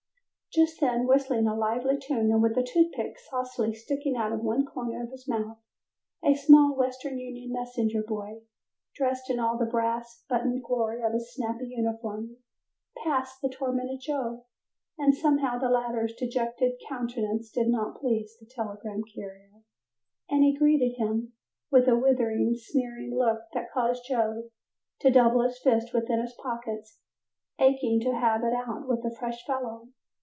Just then, whistling a lively tune and with a toothpick saucily sticking out of one corner of his mouth, a small Western Union Messenger boy, dressed in all the brass buttoned glory of his snappy uniform, passed the tormented Joe, and somehow the latter's dejected countenance did not please the telegram carrier, and he greeted him with a withering, sneering look that caused Joe to double his fist within his pockets, aching to have it out with the fresh fellow.